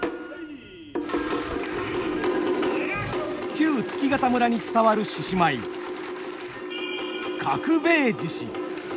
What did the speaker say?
旧月潟村に伝わる獅子舞角兵衛獅子。